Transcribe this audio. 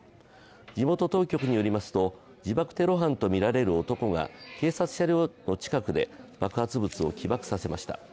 地元当局によりますと自爆テロ犯とみられる男が警察車両の近くで爆発物を起爆させました。